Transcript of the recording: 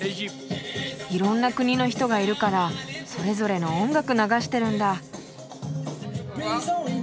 いろんな国の人がいるからそれぞれの音楽流してるんだ。